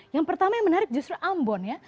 yang pertama yang menarik justru ambon ya